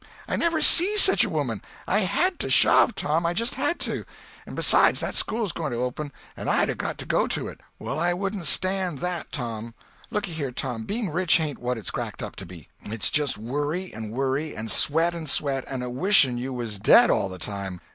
I never see such a woman! I had to shove, Tom—I just had to. And besides, that school's going to open, and I'd a had to go to it—well, I wouldn't stand that, Tom. Looky here, Tom, being rich ain't what it's cracked up to be. It's just worry and worry, and sweat and sweat, and a wishing you was dead all the time.